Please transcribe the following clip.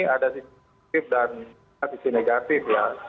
ada sisi positif dan ada sisi negatif